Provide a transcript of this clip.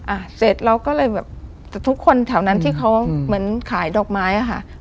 อ่ะเสร็จเราก็เลยแบบแต่ทุกคนแถวนั้นที่เขาเหมือนขายดอกไม้อะค่ะ